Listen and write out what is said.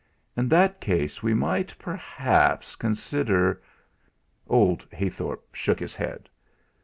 In that case we might perhaps consider " Old Heythorp shook his head.